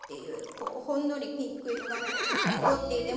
こうほんのりピンク色が残っていて。